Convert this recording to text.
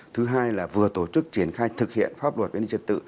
thứ hai là vừa tổ chức triển khai thực hiện pháp luật an ninh triệt tự